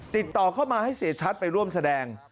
ติดต่อเข้ามาให้เสียชัดไปร่วมแสดง